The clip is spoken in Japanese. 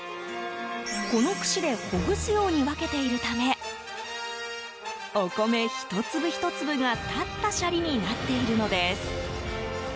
このくしでほぐすように分けているためお米１粒１粒が立ったシャリになっているのです。